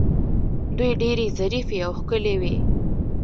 دوی ډیرې ظریفې او ښکلې وې